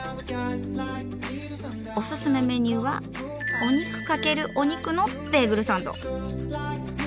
オススメメニューは「お肉×お肉」のベーグルサンド。